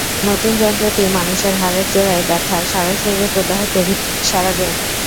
নতুন যন্ত্রটি মানুষের হাড়ের জোড়ায় ব্যথা, সারা শরীরে প্রদাহ প্রভৃতি সারাবে।